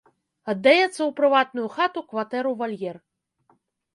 Аддаецца ў прыватную хату, кватэру, вальер.